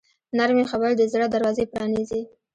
نرمې خبرې د زړه دروازې پرانیزي.